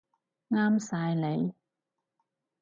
啱晒你